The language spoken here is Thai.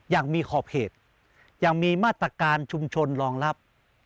อย่างมีขอบเขตยังมีมาตรการชุมชนรองรับ